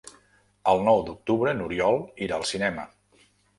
El nou d'octubre n'Oriol irà al cinema.